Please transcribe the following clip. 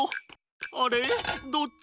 あれどっち？